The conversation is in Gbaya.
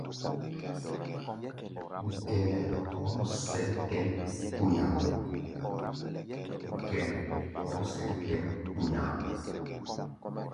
Gɛnɛ hɔɔ́ sɛ̌n tɛ̌ʼm kpu̧nya̧a̧.